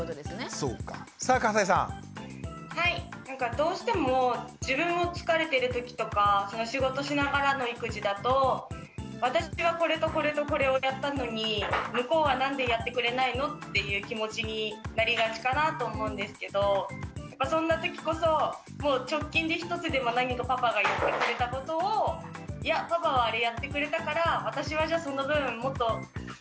どうしても自分も疲れてるときとか仕事しながらの育児だと「私はこれとこれとこれをやったのに向こうはなんでやってくれないの？」っていう気持ちになりがちかなと思うんですけどそんなときこそもう直近で１つでも何かパパがやってくれたことをマインドリセットというやつですよね。